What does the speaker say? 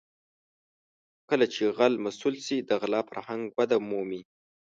کله چې غل مسوول شي د غلا فرهنګ وده مومي.